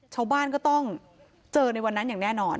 ชาวบ้านก็ต้องเจอในวันนั้นอย่างแน่นอน